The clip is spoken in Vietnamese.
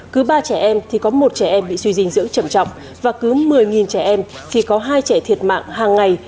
cứ ba trẻ em thì có một trẻ em bị suy dinh dưỡng trầm trọng và cứ một mươi trẻ em thì có hai trẻ thiệt mạng hàng ngày